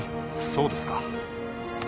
そうですか